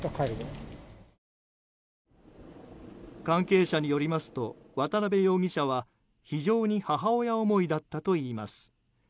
関係者によりますと渡邊容疑者は非常に母親思いだったといいます。